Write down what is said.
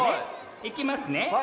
いきます！